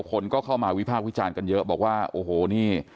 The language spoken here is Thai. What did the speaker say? คนก็เข้ามาวิพากษ์วิจารณ์กันเยอะบอกว่าโอ้โหนี่